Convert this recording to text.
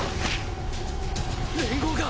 連合が！